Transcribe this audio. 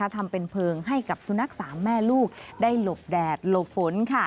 ทำเป็นเพลิงให้กับสุนัข๓แม่ลูกได้หลบแดดหลบฝน